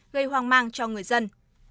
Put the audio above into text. gây hoang mang cho người dân